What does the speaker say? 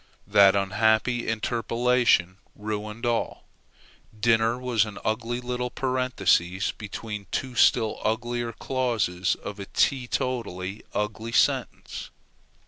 That unhappy interpolation ruined all. Dinner was an ugly little parenthesis between two still uglier clauses of a tee totally ugly sentence.